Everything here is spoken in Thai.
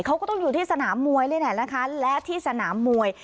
เขาก็ต้องอยู่ที่สนามมวยนี่แหละนะคะและที่สนามมวย